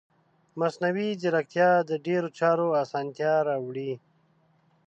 مصنوعي ځیرکتیا د ډیرو چارو اسانتیا راوړي.